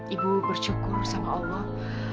ibu bersyukur sama allah